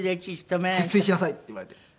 「節水しなさい」って言われて。